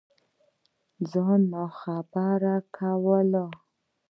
ځان ناخبره كول